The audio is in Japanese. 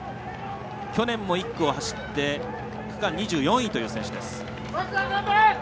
去年も１区を走って区間２４位という選手。